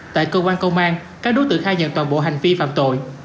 tại cơ quan công an các đối tượng khai nhận toàn bộ hành vi phạm tội